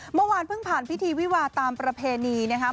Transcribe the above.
เมื่อวานเพิ่งผ่านพิธีวิวาตามประเพณีนะครับ